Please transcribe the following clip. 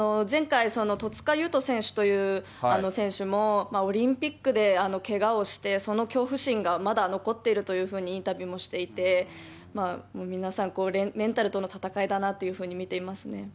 前回、戸塚優斗選手という選手も、オリンピックでけがをして、その恐怖心がまだ残っているというふうにインタビューもしていて、皆さん、メンタルとの戦いだなっていうふうに見ていますね。